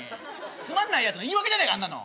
つまんないやつの言い訳じゃねえかあんなの。